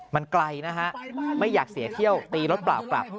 มันไกลนะฮะไม่อยากเสียเที่ยวตีรถเปล่ากลับ